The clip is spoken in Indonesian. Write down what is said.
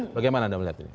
bagaimana anda melihat ini